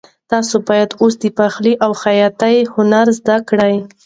تاسو باید اوس د پخلي او خیاطۍ هنر زده کړئ.